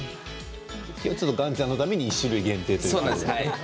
岩ちゃんのために１種類限定ということですか？